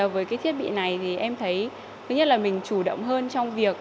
với cái thiết bị này thì em thấy thứ nhất là mình chủ động hơn trong việc